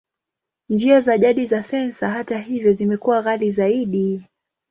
Njia za jadi za sensa, hata hivyo, zimekuwa ghali zaidi.